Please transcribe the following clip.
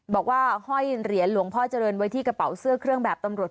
ห้อยเหรียญหลวงพ่อเจริญไว้ที่กระเป๋าเสื้อเครื่องแบบตำรวจ